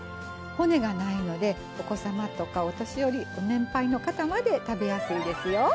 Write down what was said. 骨がないのでお子様とかお年寄りご年配の方まで食べやすいですよ。